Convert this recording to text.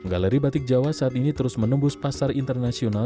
galeri batik jawa saat ini terus menembus pasar internasional